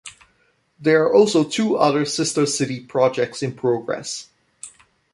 There are also two other sister city projects in progress.